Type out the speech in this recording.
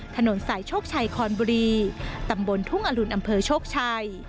ถนนสายโชคชัยคอนบุรีตำบลทุ่งอรุณอำเภอโชคชัย